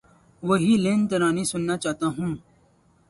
وہی لن ترانی سنا چاہتا ہوں